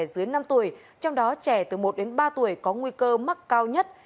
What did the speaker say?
dưới năm tuổi trong đó trẻ từ một đến ba tuổi có nguy cơ mắc cao nhất